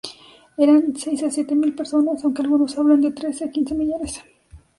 Eran seis a siete mil personas, aunque algunos hablan de trece a quince millares.